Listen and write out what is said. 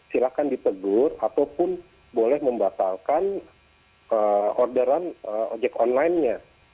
silahkan ditegur ataupun boleh membatalkan orderan ojek online nya